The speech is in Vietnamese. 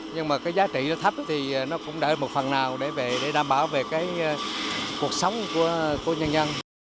nhưng mà giá trị nó thấp thì nó cũng đợi một phần nào để đảm bảo về cuộc sống của nhân dân